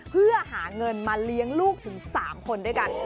เพื่อหาเงินมาเลี้ยงลูกถึง๓คนด้วยกัน